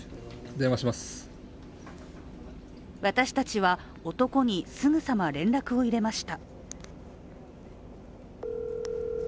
私たちは男にすぐさま連絡を入れました。